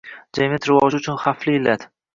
Jamiyat rivoji uchun xavfli illat